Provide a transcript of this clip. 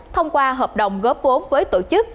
thông qua hợp đồng góp vốn với tổ chức